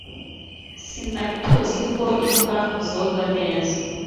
Sinari TUZI ko imbwa zoga neza.